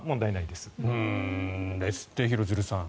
ですって、廣津留さん。